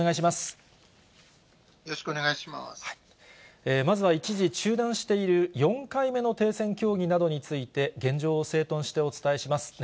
まずは一時中断している４回目の停戦協議などについて、現状を整頓してお伝えします。